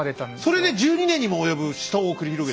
それで１２年にも及ぶ死闘を繰り広げた？